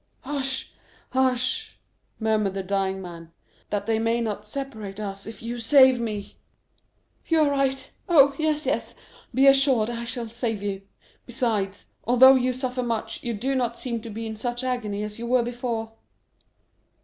"Hush! hush!" murmured the dying man, "that they may not separate us if you save me!" "You are right. Oh, yes, yes; be assured I shall save you! Besides, although you suffer much, you do not seem to be in such agony as you were before."